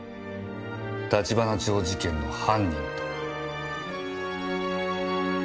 橘町事件の犯人と。